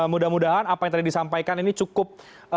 mudah mudahan apa yang tadi disampaikan ini cukup